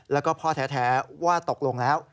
แล้วก็พ่อแท้ว่าตกลงแล้ว